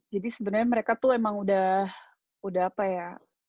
jadi sebenernya mereka tuh emang udah udah apa ya